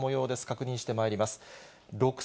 確認してまいります。